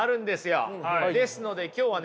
ですので今日はね